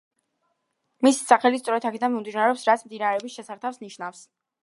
მისი სახელიც სწორედ აქედან მომდინარეობს, რაც მდინარეების შესართავს ნიშნავს.